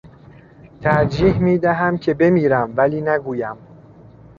ترجیح میدهم که بمیرم ولی نگویم.